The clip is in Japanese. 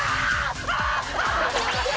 ハハハハ！